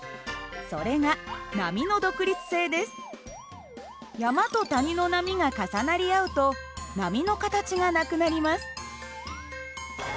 それが山と谷の波が重なり合うと波の形がなくなります。